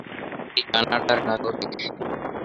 তিনি কানাডার নাগরিক।